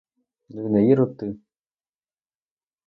Ну й не ірод ти?